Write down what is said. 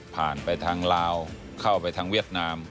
ผ่านไปทางลาวเข้าไปทางเวียดนาม